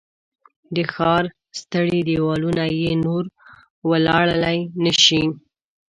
د ښار ستړي دیوالونه یې نور وړلای نه شي